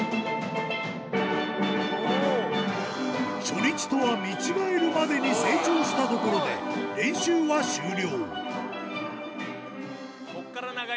初日とは見違えるまでに成長したところで、練習は終了。